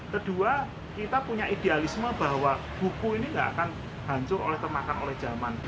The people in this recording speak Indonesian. kedua kita punya idealisme bahwa buku ini gak akan hancur oleh termakan oleh zaman